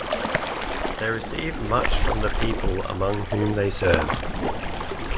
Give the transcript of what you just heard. They receive much from the people among whom they serve.